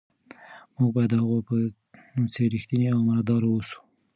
موږ باید د هغوی په څیر ریښتیني او امانتدار واوسو.